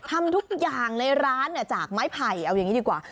ทำทุกอย่างในร้านจากไม้ไผ่เอาอย่างนี้ดีกว่า